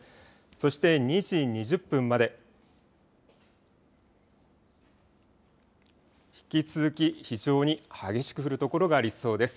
そして２時２０分まで引き続き非常に激しく降る所がありそうです。